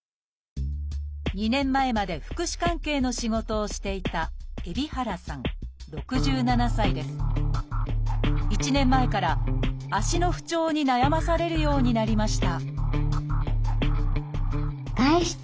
２年前まで福祉関係の仕事をしていた１年前から足の不調に悩まされるようになりました